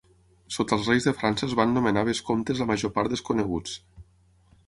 Sota els reis de França es van nomenar vescomtes la major part desconeguts.